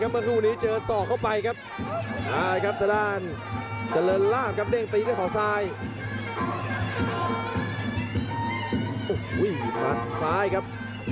โอ้โหพันธุ์ซ้ายครับ